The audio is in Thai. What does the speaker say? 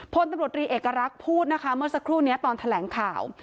พลตำรวจรีเอกลักษณ์พูดนะคะเมื่อสักครู่นี้ตอนแถลงข่าว